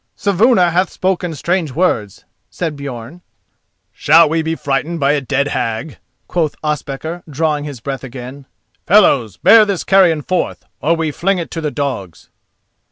"Saevuna hath spoken strange words," said Björn. "Shall we be frightened by a dead hag?" quoth Ospakar, drawing his breath again. "Fellows, bear this carrion forth, or we fling it to the dogs."